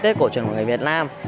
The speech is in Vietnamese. tết cổ truyền của người việt nam